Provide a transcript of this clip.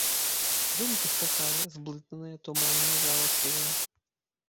Думкі скакалі, зблытаныя, туманныя і жаласлівыя.